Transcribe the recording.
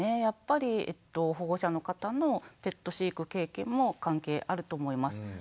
やっぱり保護者の方のペット飼育経験も関係あると思います。